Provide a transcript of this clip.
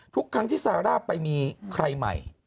ทุกครั้งที่ซาร่าไปมีใครใหม่